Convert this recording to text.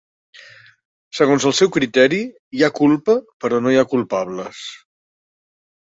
Segons el seu criteri, hi ha culpa però no hi ha culpables.